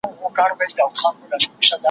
غر پر غره نه ورځي، سړى پر سړي ورځي.